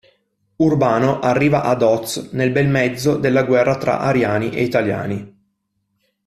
Urbano arriva ad Oz nel bel mezzo della guerra tra ariani e italiani.